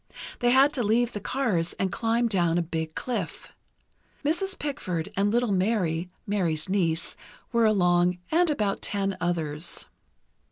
They had to leave the cars and climb down a big cliff. Mrs. Pickford and little Mary (Mary's niece) were along, and about ten others.